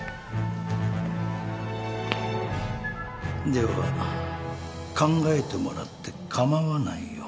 では考えてもらって構わないよ。